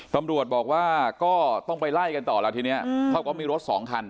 ตำรวจบอกว่าก็ต้องไปไล่กันต่อแล้วทีนี้เขาก็มีรถสองคัน